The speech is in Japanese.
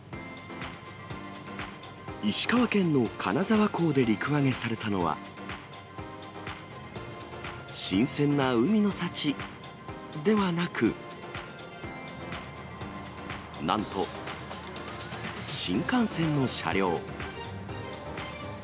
石川県の金沢港で陸揚げされたのは、新鮮な海の幸ではなく、なんと新幹線の車両。